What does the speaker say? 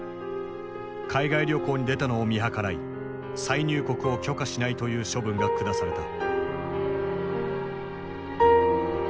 海外旅行に出たのを見計らい再入国を許可しないという処分が下された。